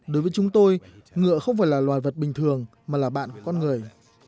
đối với chúng tôi ngựa không phải là loài vật bình thường mà là bạn của con người